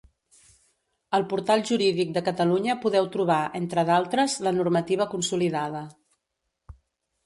Al Portal Jurídic de Catalunya podeu trobar, entre d'altres, la normativa consolidada.